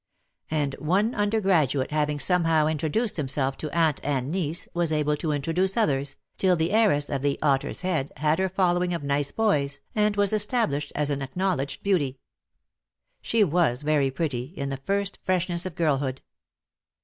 And one undergraduate having somehow introduced him self to aunt and niece, was able to introduce others, till the heiress of the "Otter's Head" had her follow ing of nice boys, and was established as an ac knowledged beauty. .'•■'•. She was very pretty, in the first freshness of girlhood.